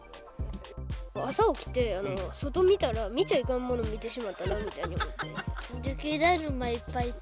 朝起きて、外見たら、見ちゃいかんもの見てしまったみたいに思って。